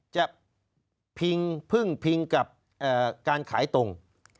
จะพึ่งพิงกับการขายตรง